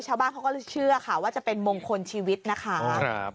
ชาวบ้านเขาก็เชื่อค่ะว่าจะเป็นมงคลชีวิตนะคะ